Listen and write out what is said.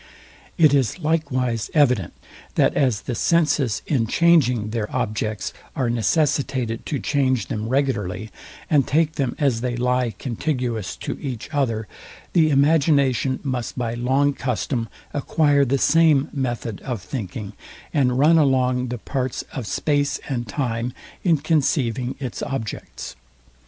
It is likewise evident that as the senses, in changing their objects, are necessitated to change them regularly, and take them as they lie CONTIGUOUS to each other, the imagination must by long custom acquire the same method of thinking, and run along the parts of space and time in conceiving its objects.